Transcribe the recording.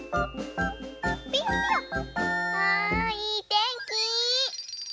あいいてんき。